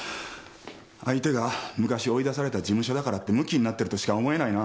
相手が昔追い出された事務所だからってムキになってるとしか思えないな。